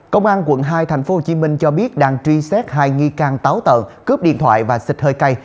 công an tp hcm cho biết đang truy xét hai nghi can táo tợn cướp điện thoại và xịt hơi cay